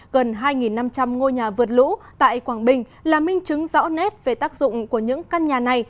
gần hai năm trăm linh ngôi nhà vượt lũ tại quảng bình là minh chứng rõ nét về tác dụng của những căn nhà này